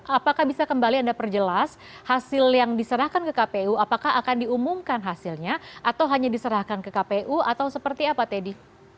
apakah bisa kembali anda perjelas hasil yang diserahkan ke kpu apakah akan diumumkan hasilnya atau hanya diserahkan ke kpu atau seperti apa teddy